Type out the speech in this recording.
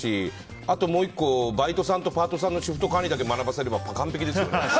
あと、もう１個バイトさんとパートさんのシフト管理だけ学ばせれば完璧ですね。